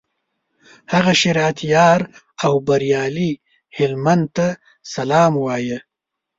هغه شریعت یار او بریالي هلمند ته سلام وایه.